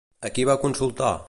A qui va consultar?